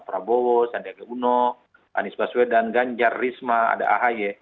prabowo sandiaga uno anies baswedan ganjar risma ada ahy